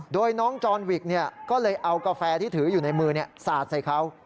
โดยน้องจอนวิกก็เลยเอากาแฟที่ถืออยู่ในมือสาดใส่เขา